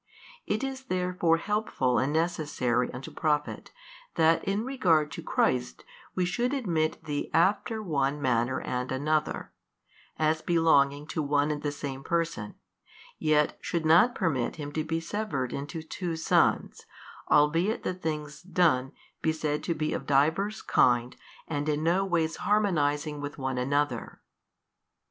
It is therefore helpful and necessary unto profit that in regard to Christ we should admit the after one manner and another, as belonging to one and the same person, yet should not permit Him to be severed into two sons, albeit the things done be said to be of diverse kind and in no ways harmonizing with one another.